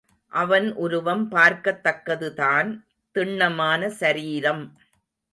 அவன் உருவம் பார்க்கத்தக்கதுதான் திண்ணமான சரீரம்.